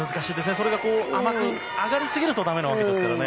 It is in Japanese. それが甘く上がりすぎるとだめなわけですからね。